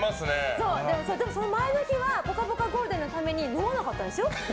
でもその前の日は「ぽかぽかゴールデン」のために飲まなかったんですよ。